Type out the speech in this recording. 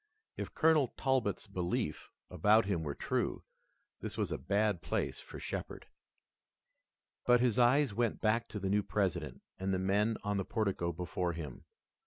If Colonel Talbot's beliefs about him were true, this was a bad place for Shepard. But his eyes went back to the new President and the men on the portico before him.